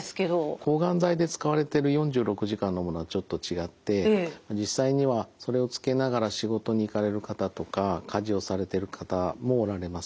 抗がん剤で使われてる４６時間のものはちょっと違って実際にはそれをつけながら仕事に行かれる方とか家事をされてる方もおられます。